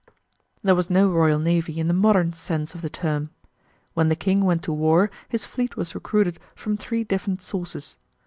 There was no Royal Navy in the modern sense of the term. When the King went to war his fleet was recruited from three different sources.